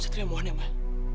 satria mohon ya mak